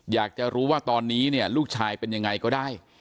อยากจะรู้ว่าตอนนี้เนี่ยลูกชายเป็นยังไงก็ได้